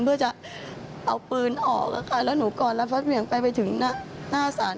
เพื่อจะเอาปืนออกค่ะค่ะแล้วหนูก่อนรับฟัสเวียงไปไปถึงหน้าสาร